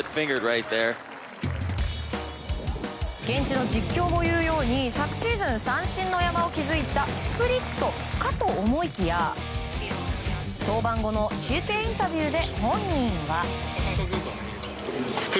現地の実況も言うように昨シーズン三振の山を築いたスプリットかと思いきや登板後の中継インタビューで本人は。